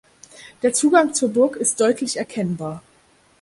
Der Zugang zur Burg ist deutlich erkennbar.